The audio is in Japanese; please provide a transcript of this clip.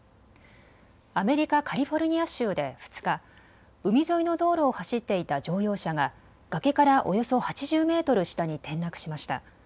アメリカ・カリフォルニア州で２日、海沿いの道路を走っていた乗用車が崖からおよそ８０メートル下に転落しました。